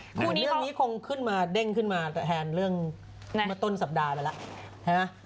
เรื่องนี้คงขึ้นมาเด้งขึ้นมาแทนเรื่องมาต้นสัปดาห์ไปแล้ว